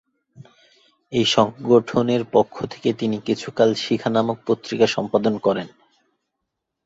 এই সংগঠনের পক্ষ থেকে তিনি কিছুকাল 'শিখা' নামক পত্রিকা সম্পাদনা করেন।